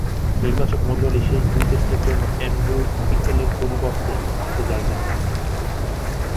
নির্বাচকমণ্ডলী শেষ দুই টেস্টের জন্য অ্যান্ড্রু বিকেলের পরিবর্তে তাকে জায়গা দেন।